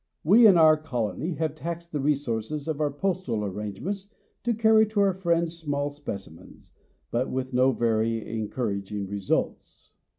We in our colony have taxed the resources of our postal arrangements to carry to our friends small specimens, but with no very encouraging results.